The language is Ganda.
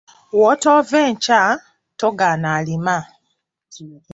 Wootoove nkya, togaana alima.